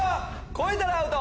超えたらアウト！